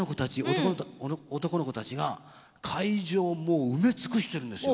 男の子たちが会場をもう埋め尽くしてるんですよ。